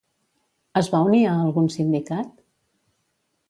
Es va unir a algun sindicat?